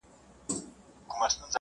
تاسو به د نورو په حق کي بد نه غواړئ.